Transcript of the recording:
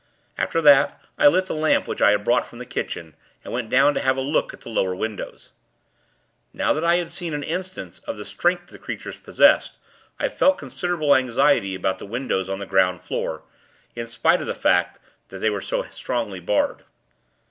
After that, I lit the lamp which I had brought from the kitchen, and went down to have a look at the lower windows. Now that I had seen an instance of the strength the creatures possessed, I felt considerable anxiety about the windows on the ground floor in spite of the fact that they were so strongly barred.